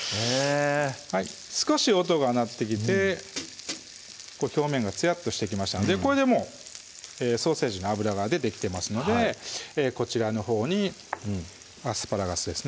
少し音が鳴ってきて表面がつやっとしてきましたのでこれでもうソーセージの脂が出てきてますのでこちらのほうにアスパラガスですね